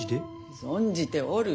存じておる。